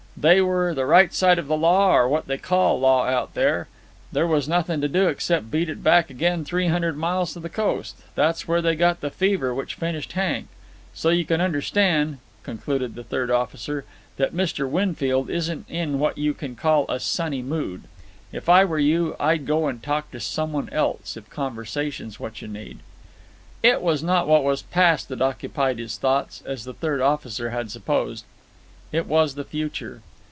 They were the right side of the law, or what they call law out there. There was nothing to do except beat it back again three hundred miles to the coast. That's where they got the fever which finished Hank. So you can understand," concluded the third officer, "that Mr. Winfield isn't in what you can call a sunny mood. If I were you, I'd go and talk to someone else, if conversation's what you need." Kirk stood motionless at the rail, thinking. It was not what was past that occupied his thoughts, as the third officer had supposed; it was the future.